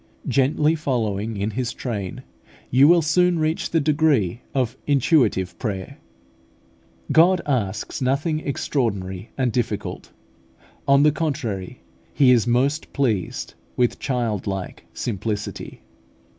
Gently following in His train, you will soon reach the degree of intuitive prayer. God asks nothing extraordinary and difficult: on the contrary, He is most pleased with childlike simplicity.